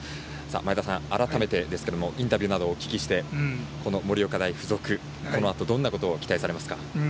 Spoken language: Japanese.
前田さん、改めてですがインタビューなどをお聞きしてこの盛岡大付属、このあとどんなことを期待されますか？